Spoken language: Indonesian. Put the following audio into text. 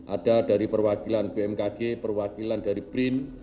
ada dari perwakilan bmkg perwakilan dari brin